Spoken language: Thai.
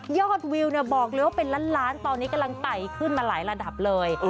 วิวบอกเลยว่าเป็นล้านล้านตอนนี้กำลังไต่ขึ้นมาหลายระดับเลย